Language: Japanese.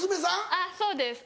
あっそうです